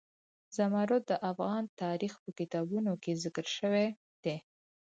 زمرد د افغان تاریخ په کتابونو کې ذکر شوی دي.